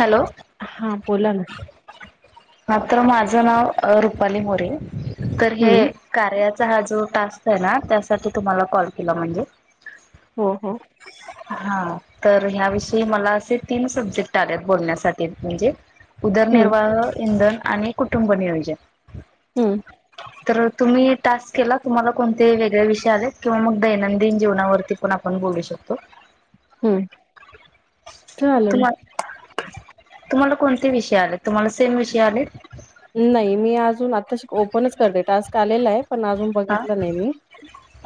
Hello. हा बोला ना. मात्र माझं नाव रुपाली मोरे तर हे. हं. कार्याचा हा जो टास्क आहे ना त्यासाठी तुम्हाला कॉल केला म्हणजे. हो हो. हा तर ह्याविषयी मला असे तीन सब्जेक्ट. बोलण्यासाठी म्हणजे, हं, उदरनिर्वाह इंधन आणि कुटुंबनीयोज. हम्म! तर तुम्ही टास्क केला तुम्हाला कोणते वेगळे विषय आले. किंवा मग दैनंदिन जीवनावरती पण आपण बोलू शकतो. हम आलं तुम्हा तुम्हाला कोणते विषय आले, तुम्हाला सेम विषय आले. नाही मी अजून आत्ता ओपनच करते टास्क आलेला आहे. पण अजून हा बघितलं नाही मी.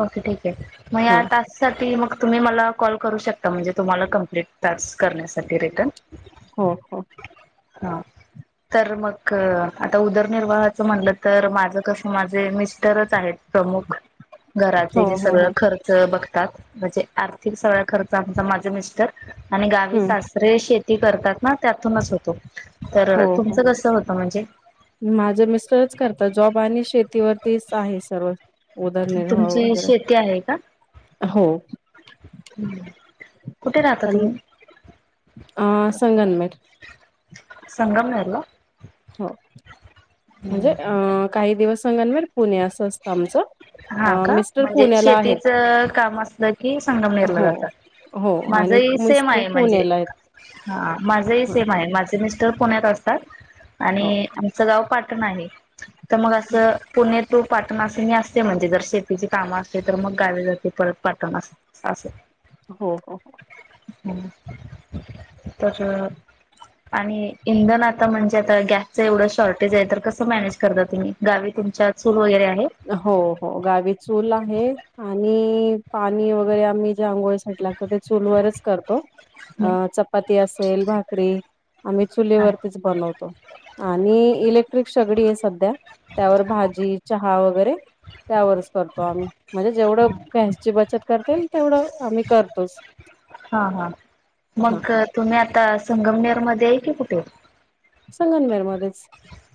ओके ठीक आहे मग हां. आता. साठी मग तुम्ही मला कॉल करू शकता म्हणजे, तुम्हाला कमप्लीट करण्यासाठी रिटर्न हो, हो. हा! तर मग आता उदरनिर्वाहाचं म्हणलं तर माझं कसं माझे मिस्टरच आहेत. प्रमुख. हो, घराचे जे हो, सगळं हो. खर्च बघतात म्हणजे आर्थिक सगळा खर्च आमचा माझं मिस्टर, आणि गावी हं. सासरे शेती करतात ना त्यातूनच होतो. तर तुमचं कसं होतं म्हणजे, माझं मिस्टरच करतात जॉब आणि शेतीवरतीच आहे सर्व उदरनिर्वा तुमची वगैरे शेती आहे का? हो. कुठे राहता पण तुम्ही. अ संगनमेर. संगम यल. हो! हम्म. म्हणजे अ काही दिवस संघांवर पुणे असं असतं आमचं. अ, हा का! मिस्टर म्हणजे पुण्याला आहेत. शेतीचं काम असलं की संगम नरलं हो. जातात. हो आणि माझही सेम मिस्टर आहे, म्हणजे पुण्याला आहेत. ह माझही हां, सेम हां. आहे माझ सेमिस्टर पुण्यात असतात हो. आणि आमचं गाव पाटण आहे. तर मग असं पुणे टू पाटणा असं मी अस ते म्हणजे जर शेतीची कामं असे तर मग गावी जाते परत पाटण असे. हो हो! तर आणि इंधन आता म्हणजे आता गॅसच एवढं शॉर्टेज आहे तर कसं मॅनेज करता तुम्ही गावी तुमच्या चूल वगैरे आहे. हो हो गावी चूल आहे आणि पाणी वगैरे आम्ही ज्या आंघोळीसाठी लागत मग ते चूलवरच करतो, अ चपाती असेल भाकरी आम्ही हा चुलीवरतीच बनवतो आणि इलेक्ट्रिक शेगडी आहे सध्या त्यावर भाजी चहा हा वगैरे त्यावरच करतो आम्ही म्हणजे जेवढं गॅसची बचत करतील तेवढं आम्ही करतोच. हा हा हा मग तुम्ही आता संगमनेर मध्ये आहे की कुठे ये संगनमेर मध्येच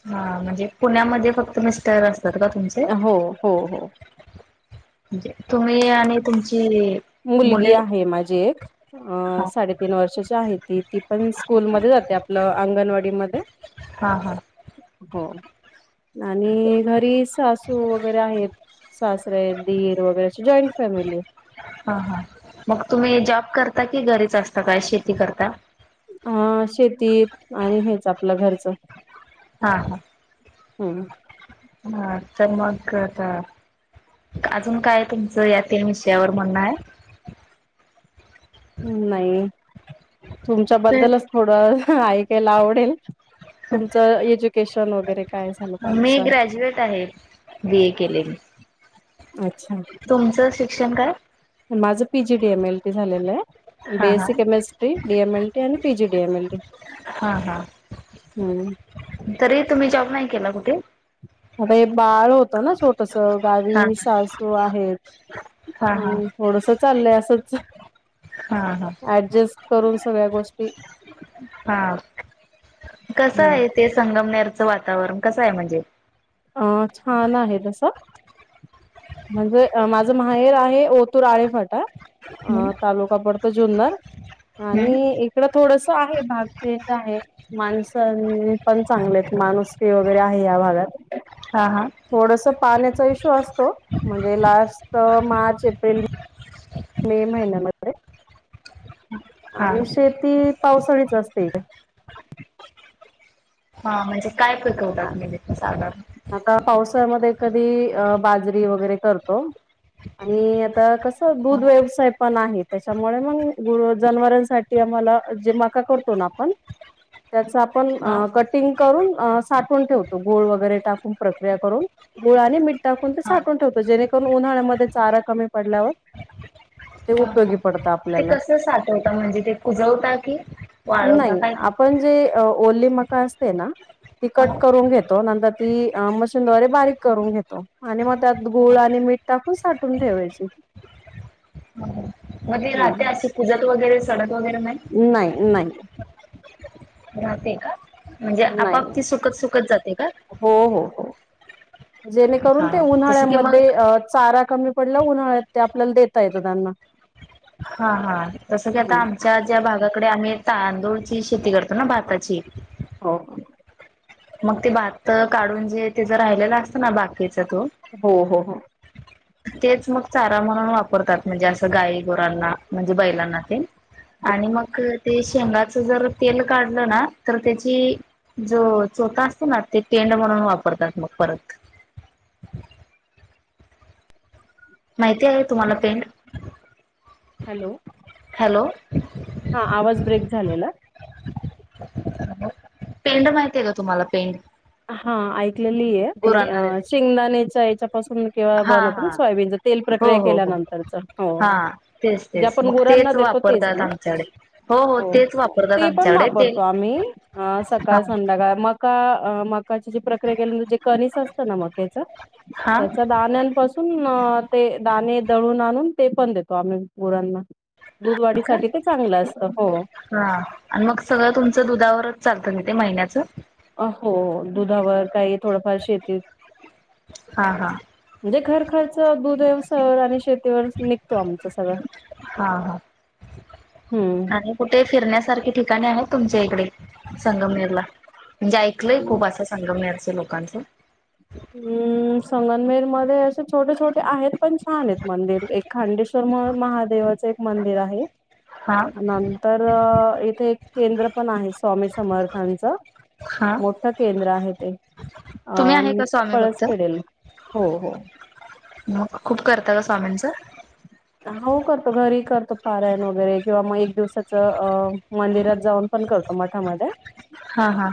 हा म्हणजे पुण्यामध्ये फक्त मिस्टर असतात का तुमचे. हो हो हो म्हण तुम्ही आणि तुमची मुलगी मुले आहे माझी एक अ हा साडेतीन वर्षाची आहे ती ती पण स्कूलमध्ये जाते आपलं आंगणवाडी मध्ये हा हा हो आणि घरी सासू वगैरे आहेत. सासरे दीर वगैरे अशी जॉईंट फॅमिली आहे. हा हा मग तुम्ही जॉब करता की घरीच असता काय शेती करता. हा शेतीत आणि हेच आपलं घरचं. हा हा. हम्म हां तर‌ मग आता अजून काय तुमचं यातील विषयावर म्हणणं आहे. नाही तर तुमच्याबद्दलच थोडं ऐकायला आवडेल तुमचं एज्युकेशन वगैरे काय झालं मी त्यानुसार ग्रॅज्युएट आहे. बी ए केलय मी. अच्छा! तुमचं शिक्षण काय? माझं P G D M L T झालेलं आहे. हा हा basic chemistry D M L T आणि PG D M L T. हां हां. हम्म. तरी तुम्ही जॉब नाही केला कुठे? आता हे बाळ होतं ना छोटस हा गावी सासू आहेत. हा हा हम्म थोडस चाललंय असंच हा हा ऍडजेस्ट करून सगळ्या गोष्टी हा कसं हम्म आहे ते संगमनेरचं वातावरण कसं आहे म्हणजे अ छान आहे तस म्हणजे माझं माहेर आहे ओतूर आळेफाट हम्म तालुका पडतो जुन्नर हम्म आणि इकड थोडस आहे भाग चेंज आहे. माणस हि पण चांगले आहेत माणुसकी वगैरे आहे या भागात हां हां थोडंसं पाण्याचा इशू असतो म्हणजे जास्त मार्च, एप्रिल मे महिन्या मध्ये हा आणि शेती पावसाळीच असते. हां म्हणजे काय पिकवतात तुम्ही शेतात? आता पावसाळ्यामध्ये कधी बाजरी वगैरे करतो, आणि आता हा दूध व्यवसाय पण आहेत त्याच्यामुळे मग गुर, जनावरांसाठी आम्हांला जे मका करतो ना आपण त्याच आपण हा कटिंग करून साठवून ठेवतो गुळ वगैरे टाकुन प्रक्रिया करून गुळ आणि मीठ टाकून ते हा साठवुन ठेवत जेणे पण उन्हांळ्यामध्ये चारा कमी पडल्यावर ते हं हं उपयोगी पडतं ते आपल्याला कस साठवता म्हणजे ते कुजवता की, वाळवता नाही काय आपण करता जे ओली मका असते ना ती कट हा करून घेतो नंतर ती मशीनद्वारे बारीक करून घेतो. आणि मग त्यात गूळ आणि मीठ टाकून साठवून ठेवायची. मग ते राहते हम्म अशी, कुजत वगैरे, सडत वगैरे नाही? नाही, नाही. राहते का? म्हणजे नाही आपाप ती सुकत सुकत जाते का? हो, हो, हो जेणेकरून ते हा तसं की मग उन्हाळ्यामध्ये चारा कमी पडला उन्हाळ्यात ते आपल्याला देता येतं त्यांना हा, हा जसं की आता हम्म आमच्यात भागाकडे आम्ही तांदूळची शेती करतो, ना भाताची. हो. मग ते भात काढून जे, तेच राहिलेलं असतं ना बाकीच तू हो, हो, हो. तेच मग चारा म्हणून वापरतात. म्हणजे असं गायी-गुरांना म्हणजे बैलांना तेन. आणि मग ते शेंगाच जर तेल काढलं ना, तर त्याची जो चोता असतो ना, ते पेंढ म्हणून वापरतात मग परत. माहिती आहे तुम्हाला पेंढ? हॅलो. हॅलो. हा, आवाज ब्रेक झालेला. पेंढ माहिती आहे का तुम्हाला, पेंढ? हा, ऐकलेली आहे देत शेंगदाणेच्या याच्यापासून किंवा हा बनत हा सोयाबीन तेल हो प्रक्रिया हो हो केल्यानंतरच. हा तेच जे तेच आपण मग गुरांना तेच देतो. ते वापरतात ना? आमच्याकडे हो तेच हो. वापरतात ते पण आमच्याकडे ते वापरतो आम्ही अ हा सकाळ, संध्याकाळ मग का अ मकाची जे प्रक्रिया केल्यानंतर जे कणीस असतं ना मक्याच हा त्याच्या दाण्यांपासून ते दाणे दळून आणून ते पण देतो आम्ही गुरांना. दूध का वाढीसाठी ते चांगलं असतं, हो. हा आणि मग सगळं तुमचं दुधावरच चालतं त तेे महिन्याचं? अ हो, दुधावर काही थोडंफार शेती हां हां. म्हणजे घर खर्च दुध व्यवसायावर आणि शेतीवर निघतो आमचं सगळं. हा हा, हम्म. आणि कुठे फिरण्यासारखी ठिकाणे आहेत तुमच्या इकडे? संगमनेर ला, म्हणजे ऐकलंय खूप असं संगमनेरच लोकांचं. हम्. संगनमेर मध्ये असे छोटे-छोटे आहेत पण छान आहेत मंदिर, एक खांडेश्वर म्हणून महादेवाचे मंदिर आहे. हा. नंतर इथे एक केंद्र पण आहे स्वामी समर्थांचं, हा मोठं केंद्र आहे ते, अ तुम्ही आहे का स्वामी भक्त? पळसखेडेल. हो हो. मग खूप करता का स्वामींचं? हो करतो, घरी करतो पारायण वगैरे किंवा मग एक दिवसाचं अ मंदिरात जाऊन पण करतो मठामध्ये हा हा.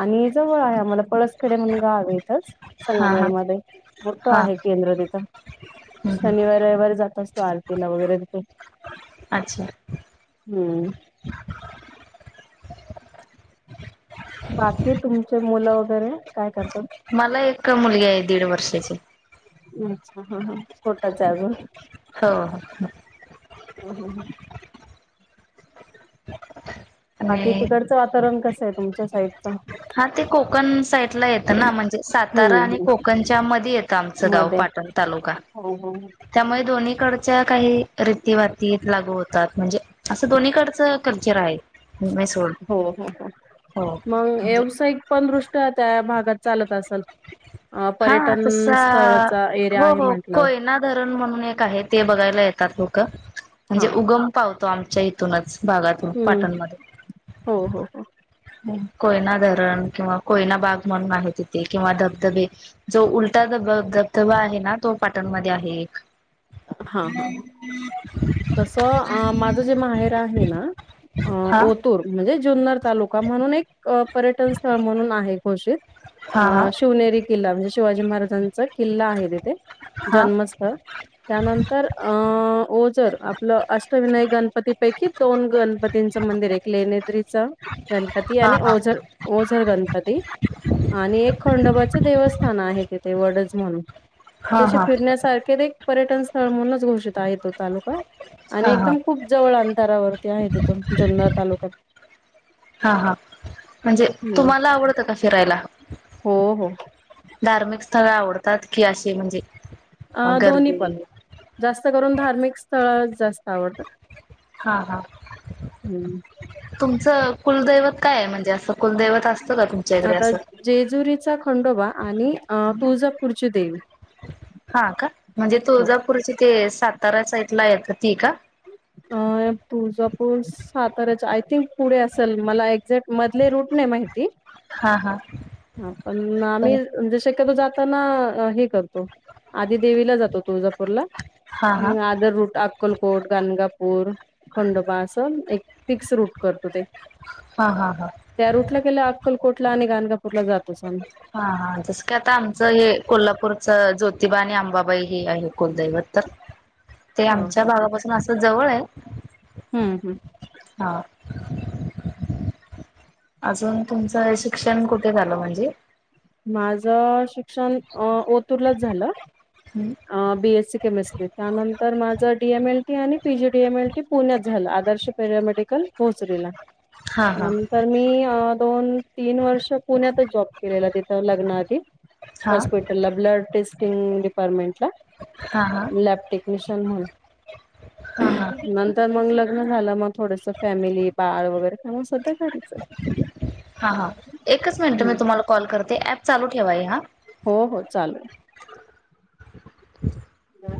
आणि जवळ आहे आम्हाला पळस तकडे म्हण गाव इथंच हा संगमेर हा मध्ये मोठं हा आहे केंद्र तिथं हम्म हम्म शनिवार, रविवारी जात असतात. आरतीला वगैरे अच्छा हम्म बाकी तुमचे मुलं वगैरे काय करतात? मला एक मुलगी आहे दीड वर्षाची. अच्छा हा हा छोट च आहे अजून. हो हो. हम् हम् ह बाकी आणि तिकडचं वातावरण कसं आहे तुमच्या साइडचं? हा ते कोकण साईडला येतं ना म्हणजे सातारा आणि हम्म कोकणच्या मध्ये येतं आमचं गाव मध्ये पाटण. तालुका. हो हो. त्यामुळे दोन्हीकडच्या काही रीती-वाती लागू होतात म्हणजे असं दोन्हीकडचं कल्चर आहे हो हो हो, हो मग म्हणजे व्यावसायिक पण दृष्ट्या त्या भागात चालत असल? अ हा पर्यटन तसा स्थळचा एरिया हो आहे हो म्हंटलं कोयना धरण म्हणून एक आहे ते बघायला येतात लोकं हा म्हणजे उगम पावतो आमच्या इ हितूनच भागातून हम्म पाटणमध्ये. हो हो हो कोयना धरण किंवा कोयना बाग म्हणून आहे तिथे किंवा धबधबे. जो उलटा धब धबधबा आहे ना तो पाटणमध्ये आहे एक. हम्म ह् तस माझ जे माहेर आहे ना हा ओतूर म्हणजे जुन्नर तालुका म्हणून एक पर्यटन स्थळ म्हणून आहे घोषित हा आ आ शिवनेरी किल्ला म्हणजे शिवाजी महाराजांचा किल्ला आहे तिथे हा हा जन्मस्थळ त्यानंतर अ ओझर आपलं अष्टविनायक गणपतीपैकी दोन गणपतीचं मंदिर एक लेण्याद्री चा गणपती हा आणि ओझर ओझर गणपती आणि एक खंडोबाचं देवस्थान आहे तिथे वडच म्हणून हा हा जसे हा फिरण्यासारखे एक पर्यटन स्थळ म्हणूनच घोषित आहे तो तालुका आणि हा हा एकदम खूप जवळ अंतरावरती आहे तिथून जुन्नर तालुक्यात हा हा म्हणजे हम्म तुम्हाला आवडतं फिरायला हो हो धार्मिक स्थळ आवडतात का अशी म्हणजे अ दोन्ही गर्दी पण जास्त करून धार्मिक स्थळ जास्त आवडतात हां हां हम्म तुमचं कुलदैवत काय आहे म्हणजे असं कुलदैवत असतं का तुमच आता जेजुरीचा खंडोबा आणि तुळजापूरची देवी हा का म्हणजे हो तुळजापूरची ते सातारा साइडला येत ती का अ तुळजापूर साताऱ्याचा आय थिंक पुढे असेल मला एक क् मधले रूट नाही माहिती हा हा ह पण आम् म्हणजे शक्यतो जाताना हे करतो आधी देवीला जातो तुळजापूरला हा हा मग आदर रूट अक्कलकोट गाणगा हम्म खंडोबा असं एक फिक्स रूट करतो ते हा हा हा त्या रूटला गेल्यावर अक्कलकोट आणि गणगापूरला जातो आम्ही हा हा जस की आता आमचं हे कोल्हापूरचं ज्योतिबा आणि आंबाबाई हे आहे कुलदैवत तर ते हा आमच्या हा हा. गावापासून असं जवळ आहे. हम्म हम्. हा. अजून तुमचं शिक्षण कुठे झालं म्हणजे? माझ शिक्षण अ ओतूरलाच झालं. बीएससी केमिस्ट्री त्यानंतर माझं डी एम एल टी आणि PG D M L T पुण्यात झालं आदर्श पॅरामेडिकल भोचरीला. हा हा नंतर मी अ दोन तीन वर्ष पुण्यातच जॉब केलेला. तिथं लग्नाआधी हा हॉस्पिटलला ब्लड टेस्टिंग डिपार्टमेंटला. हा हा. [inaudible] म्हणून हां हां मंग तर मंग लग्न झालं मा थोडस फॅमिली बाळ वगैरे काम काय असेल ते करायचं. हा हा एकच मिनिट मी तुम्हाला कॉल करते ऍप चालू ठेवा हे हा हो हो चालू आहे. बर.